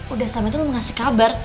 udah sam itu belum ngasih kabar